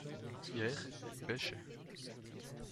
hier elles pêchaient.